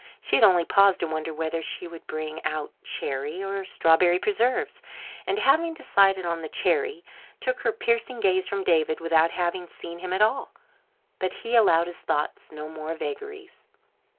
She had only paused to wonder whether she would bring out cherry or strawberry preserve; and, having decided on the cherry, took her piercing gaze from David without having seen him at all. But he allowed his thoughts no more vagaries.